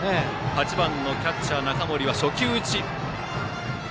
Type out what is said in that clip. ８番キャッチャー、中森は初球打ち。